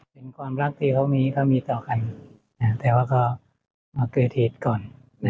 เป็นความรักที่เขามีเขามีต่อกันแต่ว่าก็มาเกิดเหตุก่อน